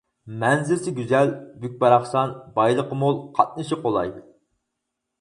مەنزىرىسى گۈزەل، بۈك-باراقسان، بايلىقى مول، قاتنىشى قولاي.